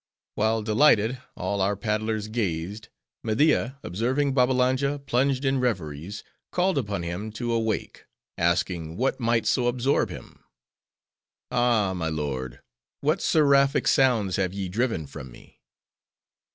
While delighted, all our paddlers gazed, Media, observing Babbalanja plunged in reveries, called upon him to awake; asking what might so absorb him. "Ah, my lord! what seraphic sounds have ye driven from me!"